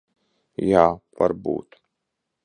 Jā, varbūt.